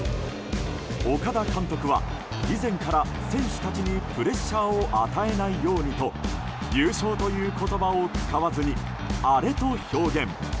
岡田監督は、以前から選手たちにプレッシャーを与えないようにと優勝という言葉を使わずにアレと表現。